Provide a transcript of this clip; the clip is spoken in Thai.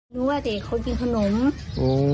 หนูอ่ะเจ๊เขากินขนม